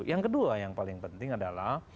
yang kedua yang paling penting adalah